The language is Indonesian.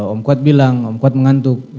om kuat bilang om kuat mengantuk